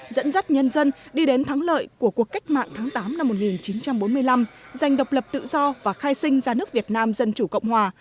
dẫn dắt nhân dân đi đến thắng lợi của cuộc cách mạng tháng tám năm một nghìn chín trăm bốn mươi năm dành độc lập tự do và khai sinh ra nước việt nam dân chủ cộng hòa